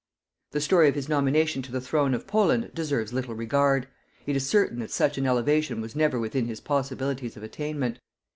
The story of his nomination to the throne of Poland deserves little regard; it is certain that such an elevation was never within his possibilities of attainment.